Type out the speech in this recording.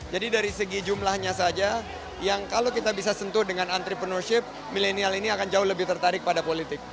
jadi dari segi jumlahnya saja yang kalau kita bisa sentuh dengan entrepreneurship milenial ini akan jauh lebih tertarik pada politik